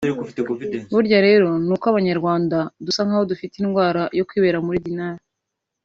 Burya rero nuko abanyarwanda dusa nkaho dufite indwara yo kwibera muri “Denial”